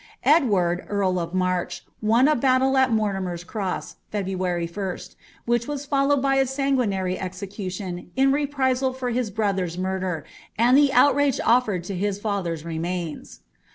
Edward earl of March won a battle at Mortimer^s Croat, Fehniary 1st, which was followed by a sanguinary execution, in reprisal for his hroUier's murder, and the outrage ofiered to his father's mnams.